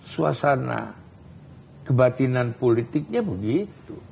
suasana kebatinan politiknya begitu